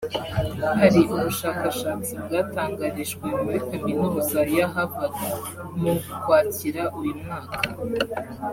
Hari ubushakashatsi bwatangarijwe muri Kaminuza ya Harvard mu Ukwakira uyu mwaka